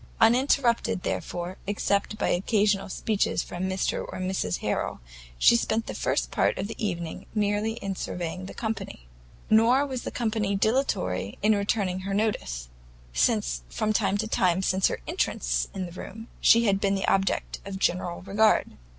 Uninterrupted, therefore, except by occasional speeches from Mr and Mrs Harrel, she spent the first part of the evening merely in surveying the company. Nor was the company dilatory in returning her notice, since from the time of her entrance into the room, she had been the object of general regard.